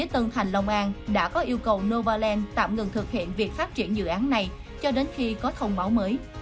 tân thành long an đã có yêu cầu novaland tạm ngừng thực hiện việc phát triển dự án này cho đến khi có thông báo mới